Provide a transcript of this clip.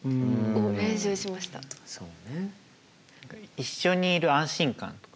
一緒にいる安心感とか。